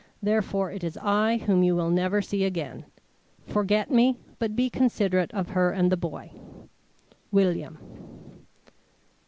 Therefore it is I whom you will never see again. Forget me, but be considerate of her and the boy. "WILLIAM."